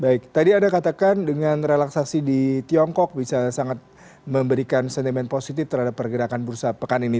baik tadi anda katakan dengan relaksasi di tiongkok bisa sangat memberikan sentimen positif terhadap pergerakan bursa pekan ini